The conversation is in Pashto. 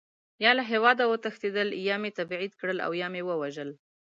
یا له هېواده وتښتېدل، یا مې تبعید کړل او یا مې ووژل.